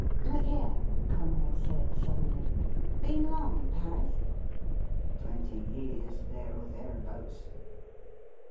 ' Look here,' Conrad said suddenly. ' Been long in Paris ?'' Twenty years — there or thereabouts.'